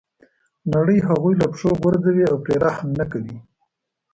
نړۍ هغوی له پښو غورځوي او پرې رحم نه کوي.